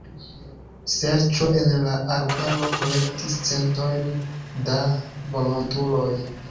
Serĉo en la arbaro kolektis centojn da volontuloj.